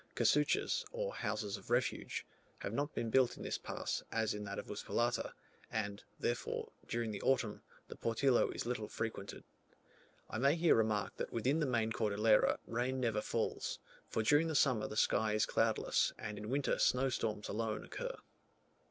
Casuchas, or houses of refuge, have not been built in this pass as in that of Uspallata, and, therefore, during the autumn, the Portillo is little frequented. I may here remark that within the main Cordillera rain never falls, for during the summer the sky is cloudless, and in winter snow storms alone occur.